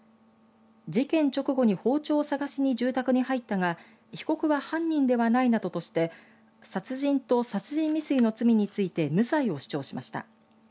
事件直後に包丁を探しに住宅に入ったが被告は犯人ではないなどとして殺人と殺人未遂の罪について無罪を主張しました。